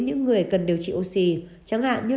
những người cần điều trị oxy chẳng hạn như